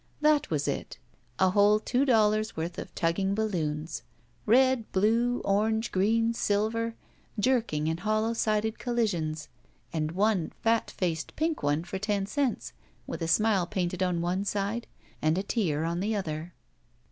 That was it! A whole two dollars' worth of tug ging balloons. Red — blue — orange — green — silver, jerking in hoUow sided collisions, and one fat faced pink one for ten cents, with a smile painted on one side and a tear on the other.